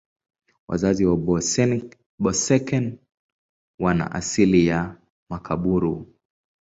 Wazazi wa Boeseken wana asili ya Makaburu.